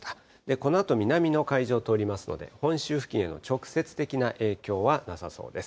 このあと南の海上通りますので、本州付近への直接的な影響はなさそうです。